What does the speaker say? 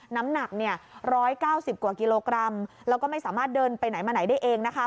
น้ำหนัก๑๙๐กว่ากิโลกรัมแล้วก็ไม่สามารถเดินไปไหนมาไหนได้เองนะคะ